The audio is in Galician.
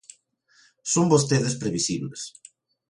Son vostedes previsibles.